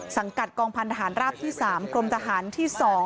สังกัดกองพันธหารราบที่๓กรมทหารที่๒